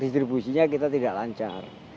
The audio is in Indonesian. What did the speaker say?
distribusinya kita tidak lancar